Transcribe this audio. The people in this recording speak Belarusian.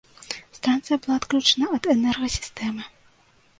Станцыя была адключана ад энергасістэмы.